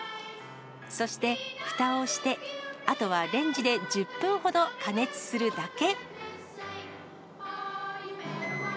そしてふたをして、あとはレンジで１０分ほど加熱するだけ。